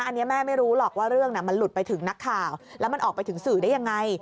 อันนี้แม่ไม่รู้หรอกว่าเรื่องมันหลุดไปถึงนักข่าวแล้วมันออกไปถึงสื่อได้ยังไง